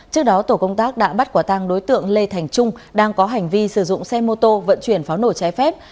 trước đó tổ công tác đã bắt quả tăng đối tượng lê thành trung đang có hành vi sử dụng xe mô tô vận chuyển pháo nổ trái phép